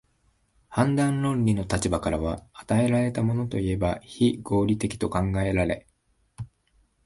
判断論理の立場からは、与えられたものといえば非合理的と考えられ、